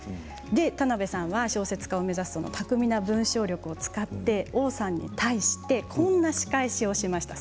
田辺さん、小説家を目指す巧みな文章力を使ってＯさんに対してこんな仕返しをしました。